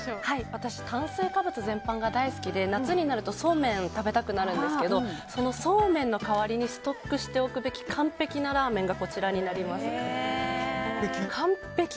私、炭水化物全般が大好きで夏になるとそうめんを食べたくなるんですけどそのそうめんの代わりにストックしておくべき完璧なラーメンがこちらになります。